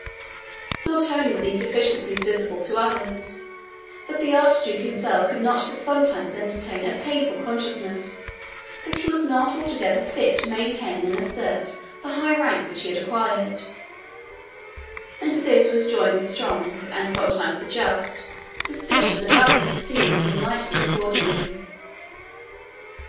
Not only were these deficiencies visible to others, but the Archduke himself could not but sometimes entertain a painful consciousness that he was not altogether fit to maintain and assert the high rank which he had acquired; and to this was joined the strong, and sometimes the just, suspicion that others esteemed him lightly accordingly.